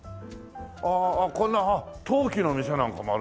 ああこんなあっ陶器の店なんかもあるんだ。